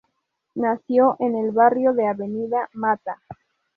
Nació en el barrio de Avenida Matta.